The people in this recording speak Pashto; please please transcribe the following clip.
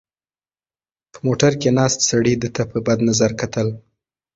په موټر کې ناست سړي ده ته په بد نظر کتل.